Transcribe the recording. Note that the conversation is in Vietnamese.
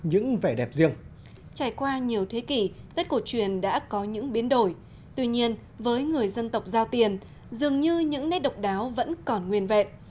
hùng cây quyền dường như những nét độc đáo vẫn còn nguyền vẹn